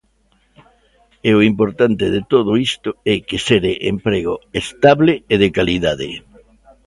E o importante de todo isto é que xere emprego estable e de calidade.